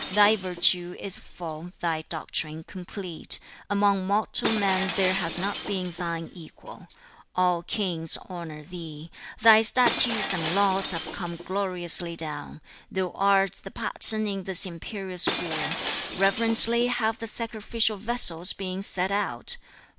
Thy virtue is full, thy doctrine complete. Among mortal men there has not been thine equal. All kings honor thee. Thy statutes and laws have come gloriously down. Thou art the pattern in this imperial school. Reverently have the sacrificial vessels been set out.